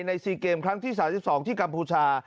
๔เกมครั้งที่๓๒ที่กัมพูชา